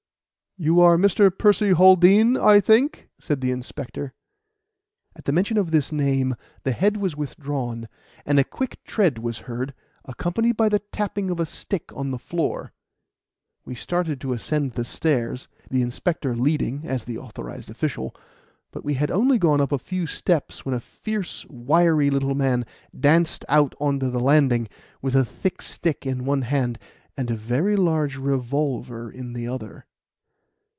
"You are Mr. Percy Haldean, I think," said the inspector. At the mention of this name, the head was withdrawn, and a quick tread was heard, accompanied by the tapping of a stick on the floor. We started to ascend the stairs, the inspector leading, as the authorized official; but we had only gone up a few steps, when a fierce, wiry little man danced out on to the landing, with a thick stick in one hand and a very large revolver in the other.